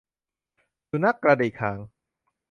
สุนัขกระดิกหาง